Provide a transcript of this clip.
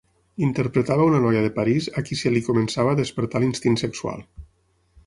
Interpretava una noia de París a qui se li començava a despertar l'instint sexual.